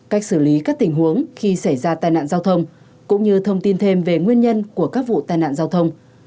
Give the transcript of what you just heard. cách xử lý các tình huống khi xảy ra tai nạn giao thông cũng như thông tin thêm về nguyên nhân của các vụ tai nạn giao thông